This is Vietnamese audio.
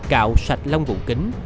cạo sạch lông vụn kính